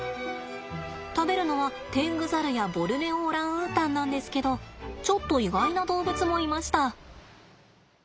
食べるのはテングザルやボルネオオランウータンなんですけどちょっと意外な動物もいました。